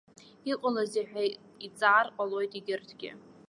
Иҟалазеи ҳәа иҵаар ҟалоит егьырҭгьы.